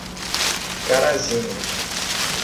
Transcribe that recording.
Carazinho